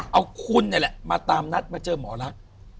เอาคุณนี่แหละมาตามนัดมาเจอหมอลักษณ์